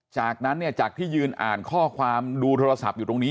จากนั้นเนี่ยจากที่ยืนอ่านข้อความดูโทรศัพท์อยู่ตรงนี้